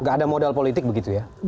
gak ada modal politik begitu ya